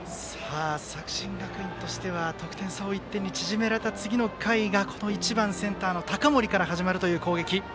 作新学院としては得点差を１点に縮められた、次の回が１番センターの高森から始まるという攻撃。